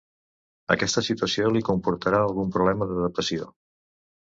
Aquesta situació li comportarà algun problema d'adaptació.